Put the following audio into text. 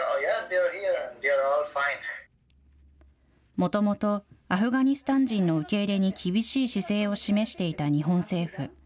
もともと、アフガニスタン人の受け入れに厳しい姿勢を示していた日本政府。